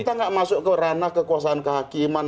kita nggak masuk ke ranah kekuasaan kehakiman